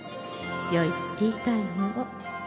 良いティータイムを。